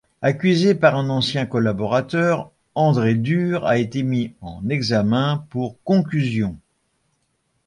Accusé par un ancien collaborateur, André Durr a été mis en examen pour concussion.